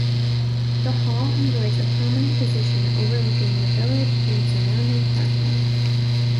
The hall enjoys a prominent position overlooking the village and surrounding parkland.